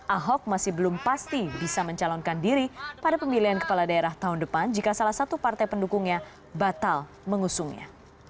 ahok masih belum pasti bisa mencalonkan diri pada pemilihan kepala daerah tahun depan jika salah satu partai pendukungnya batal mengusungnya